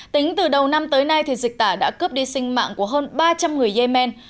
tính từ đầu năm tới nay dịch tả đã cướp đi sinh mạng của hơn ba trăm linh người yemen